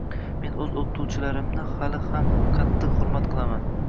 Men oʻz oʻqituvchilarimni hali ham qattiq hurmat qilaman!